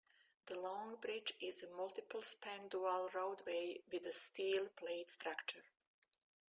The -long bridge is a multiple span dual roadway with a steel plate structure.